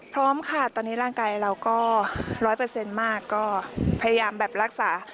พร้อมค่ะตอนนี้ร่างกายเราก็ร้อยเปอร์เซ็นต์มากก็พยายามแบบรักษา